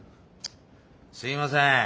すいません。